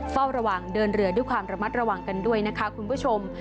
เฝ้าระวังเดินเรือด้วยความระมัดระวังกันด้วยนะคะคุณผู้ชม